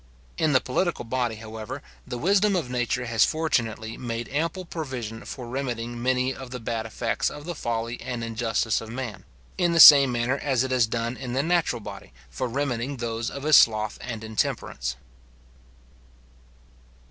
In the political body, however, the wisdom of nature has fortunately made ample provision for remedying many of the bad effects of the folly and injustice of man; it the same manner as it has done in the natural body, for remedying those of his sloth and intemperance.